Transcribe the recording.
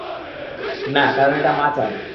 না, কারন এটা মা চায়।